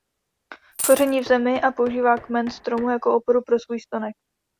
Koření v zemi a používá kmen stromu jako oporu pro svůj stonek.